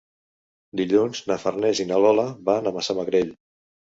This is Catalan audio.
Dilluns na Farners i na Lola van a Massamagrell.